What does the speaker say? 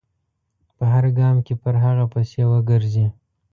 په هر ګام کې پر هغه پسې و ګرځي.